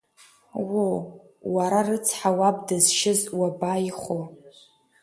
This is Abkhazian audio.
Уо, уара рыцҳа, уаб дызшьыз уабаихәо!